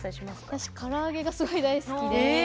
私から揚げがすごい大好きで。